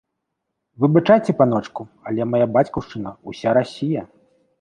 Выбачайце, паночку, але мая бацькаўшчына — уся Расія.